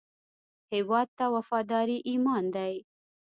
هیواد ته وفاداري ایمان دی